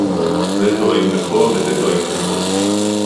זה טוען בכה וזה טוען בכה